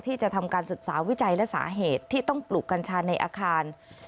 ที่จะทำการศึกษาวิจัยและสาเหตุที่ต้องปลูกกัญชาในอาคาร